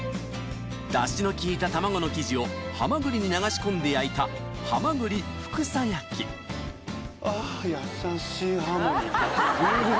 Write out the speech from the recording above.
ダシの効いた卵の生地をはまぐりに流し込んで焼いたあぁ優しいハーモニー。